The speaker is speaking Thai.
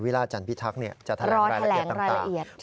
ราชจันทร์พิทักษ์จะแถลงรายละเอียดต่าง